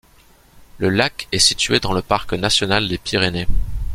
Le lac est situé dans le Parc National des Pyrénées.